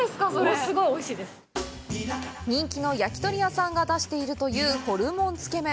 人気の焼き鳥屋さんが出しているというホルモンつけ麺！